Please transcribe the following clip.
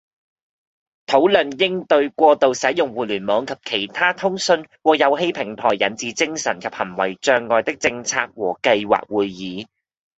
「討論應對過度使用互聯網及其他通訊和遊戲平台引致精神及行為障礙的政策和計劃」會議